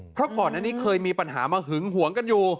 เพราะก่อนอันนี้เคยมีปัญหามาหึงหวงกันอยู่